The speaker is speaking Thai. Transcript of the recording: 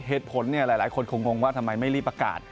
เหตุผลหลายคนคงงว่าทำไมไม่รีบประกาศ